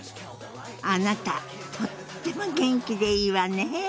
あなたとっても元気でいいわね！